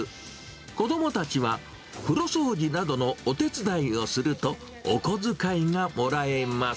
子どもたちは風呂掃除などのお手伝いをすると、お小遣いがもらえます。